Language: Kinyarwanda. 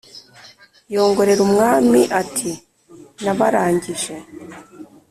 yongorera umwami ati"nabarangije"